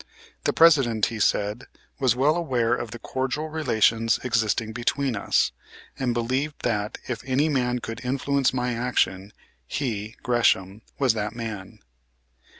The President, he said, was well aware of the cordial relations existing between us, and believed that if any man could influence my action he, Gresham, was that man.